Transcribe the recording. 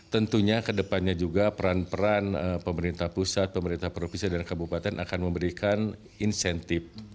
tentunya kedepannya juga peran peran pemerintah pusat pemerintah provinsi dan kabupaten akan memberikan insentif